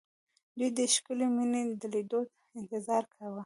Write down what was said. دوی د ښکلې مينې د ليدو انتظار کاوه